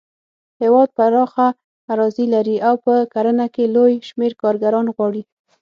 هېواد پراخه اراضي لري او په کرنه کې لوی شمېر کارګران غواړي.